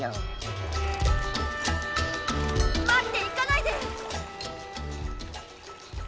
行かないで！